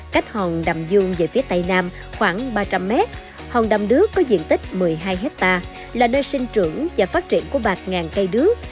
cách hòn đầm dương về phía tây nam khoảng ba trăm linh mét hòn đầm đước có diện tích một mươi hai hectare là nơi sinh trưởng và phát triển của bạc ngàn cây đước